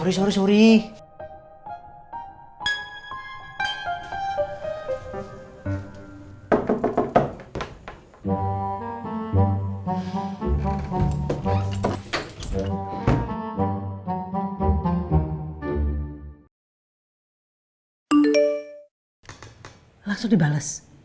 rahas selalu terug masuk bedanya spdima